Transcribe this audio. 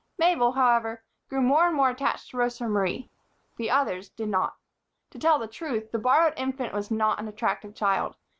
Mabel, however, grew more and more attached to Rosa Marie; the others did not. To tell the truth, the borrowed infant was not an attractive child.